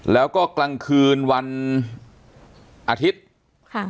แล้วก็กลางคืนวันอาทิตย์ค่ะ